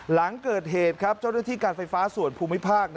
หลังเกิดเหตุครับเจ้าหน้าที่การไฟฟ้าส่วนภูมิภาค